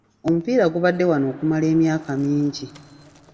Omupiira gubadde wano okumala emyaka mingi.